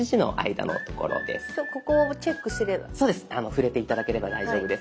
触れて頂ければ大丈夫です。